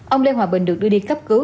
ông lê hòa bình được đưa đi cấp cứu